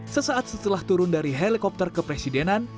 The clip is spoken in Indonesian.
sesaat setelah turun dari helikopter ke presidenan